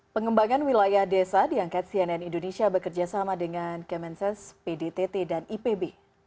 pengembangan wilayah desa diangkat cnn indonesia bekerja sama dengan kemenses pdtt dan ipb